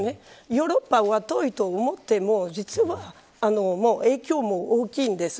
ヨーロッパは遠いと思っても実は影響も大きいんです。